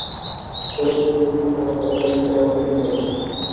পরে এটি পরিবর্তন করা হলে বেলা তিনটায় আবার ট্রেন চালু হয়।